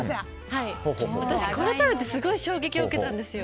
私、これ食べてすごい衝撃を受けたんです。